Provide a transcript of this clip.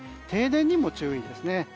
停電にも注意ですね。